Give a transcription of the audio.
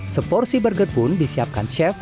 seporsi burger pun disiapkan chef